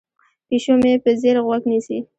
پیشو مې په ځیر غوږ نیسي.